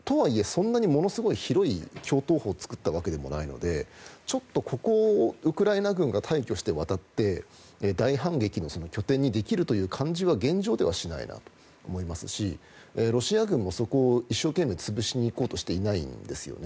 そんなにものすごい広い橋頭保を作ったわけでもないのでちょっとここをウクライナ軍が大挙して渡って大反撃の拠点にできる感じは現状ではしないなと思いますしロシア軍もそこを一生懸命潰しに行こうとしていないんですね。